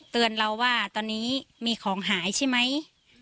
เตือนเราว่าตอนนี้มีของหายใช่ไหม